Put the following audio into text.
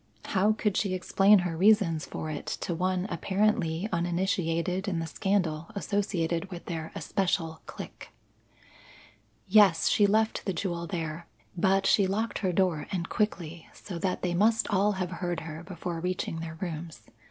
How could she explain her reasons for it to one apparently uninitiated in the scandal associated with their especial clique. Yes, she left the jewel there; but she locked her door and quickly, so that they must all have heard her before reaching their rooms.